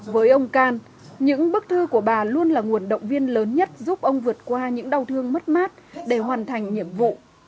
với ông can những bức thư của bà luôn là nguồn động viên lớn nhất giúp ông vượt qua những đau thương mất mát để hoàn thành nhiệm vụ